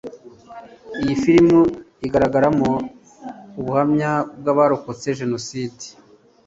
iyi filimi igaragaramo ubuhamya bw abarokotse jenoside